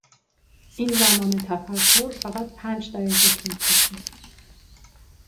این زمان تفکر فقط پنج دقیقه طول کشید.